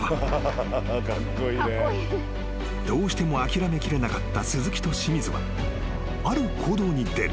［どうしても諦めきれなかった鈴木と清水はある行動に出る。